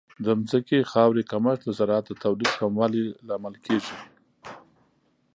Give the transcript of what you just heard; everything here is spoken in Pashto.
د ځمکې خاورې کمښت د زراعت د تولید کموالی لامل کیږي.